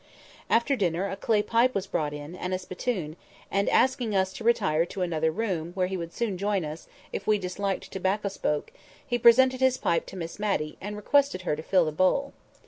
After dinner, a clay pipe was brought in, and a spittoon; and, asking us to retire to another room, where he would soon join us, if we disliked tobacco smoke, he presented his pipe to Miss Matty, and requested her to fill the bowl.